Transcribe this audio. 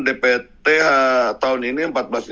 dpt tahun ini empat belas satu ratus enam puluh dua